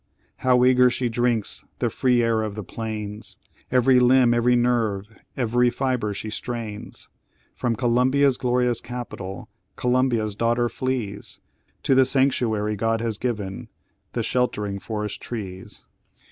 How eager she drinks the free air of the plains; Every limb, every nerve, every fibre she strains; From Columbia's glorious capitol, Columbia's daughter flees To the sanctuary God has given The sheltering forest trees.